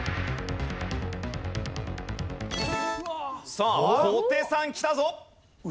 さあ小手さんきたぞ！